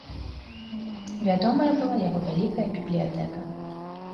Вядомая была яго вялікая бібліятэка.